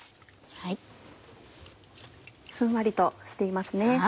ふんわりとしていますね。